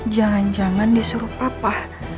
jangan jangan disuruh papa